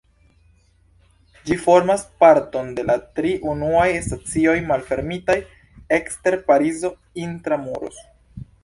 Ĝi formas parton de la tri unuaj stacioj malfermitaj ekster Parizo "intra-muros".